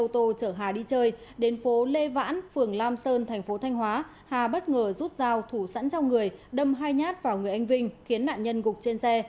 trên phố lê vãn phường lam sơn thành phố thanh hóa hà bất ngờ rút dao thủ sẵn trong người đâm hai nhát vào người anh vinh khiến nạn nhân gục trên xe